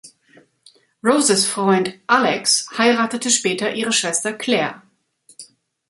Roses Freund Alex heiratete später ihre Schwester Claire.